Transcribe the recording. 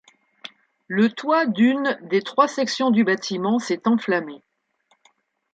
Le toit d'une des trois sections du bâtiment s'est enflammé.